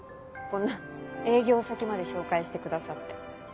こんな営業先まで紹介してくださって。